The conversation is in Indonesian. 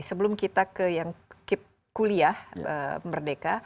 sebelum kita ke yang kuliah merdeka